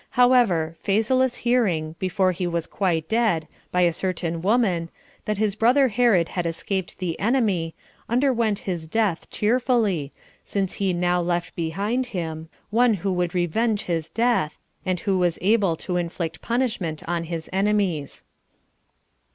However, Phasaelus hearing, before he was quite dead, by a certain woman, that his brother Herod had escaped the enemy, underwent his death cheerfully, since he now left behind him one who would revenge his death, and who was able to inflict punishment on his enemies.